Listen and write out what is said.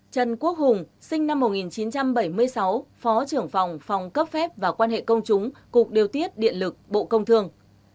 một trần quốc hùng sinh năm một nghìn chín trăm bảy mươi sáu phó trưởng phòng phòng cấp phép và quan hệ công chúng cục điều tiết điện lực bộ công thương